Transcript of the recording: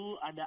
tidak ada akar